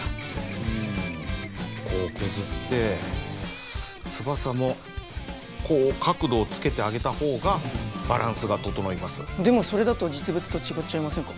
うんこう削って翼もこう角度をつけてあげた方がバランスが整いますでもそれだと実物と違っちゃいませんか？